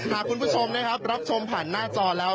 หากคุณผู้ชมนะครับรับชมผ่านหน้าจอแล้ว